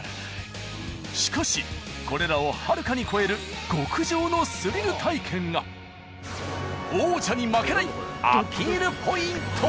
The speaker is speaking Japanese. しかしこれらをはるかに超える王者に負けないアピールポイント。